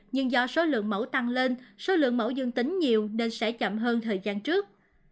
nhưng do số lượng mẫu tăng lên số lượng mẫu dương tính nhiều nên sẽ chậm hơn thời gian trước